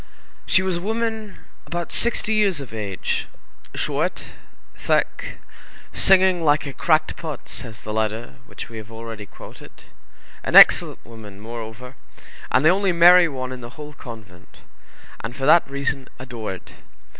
She was a woman about sixty years of age, short, thick, "singing like a cracked pot," says the letter which we have already quoted; an excellent woman, moreover, and the only merry one in the whole convent, and for that reason adored.